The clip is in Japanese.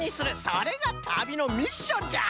それが旅のミッションじゃ！